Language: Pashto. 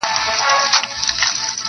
پاچهۍ له غوړه مالو پرزېدلي-